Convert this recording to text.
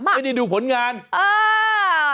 ไม่ได้ดูผลงานเออ